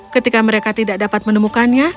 ketika mereka tidak dapat menemukannya